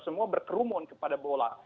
semua berkerumun kepada bola